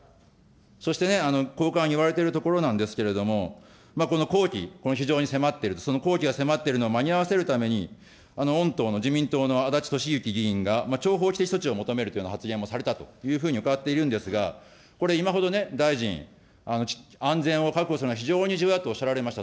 そしてね、こうかん、言われているところなんですけれども、この工期、非常に迫っていると、その工期が迫っているのを間に合わせるために、御党の、自民党のあだちとしゆき議員が、超法規的措置を取ると発言もされたというふうに伺っているんですが、これ今ほどね、大臣、安全を確保するのは非常に重要だとおっしゃられました。